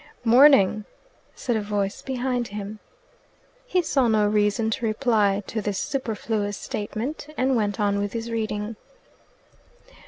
"Morning!" said a voice behind him. He saw no reason to reply to this superfluous statement, and went on with his reading.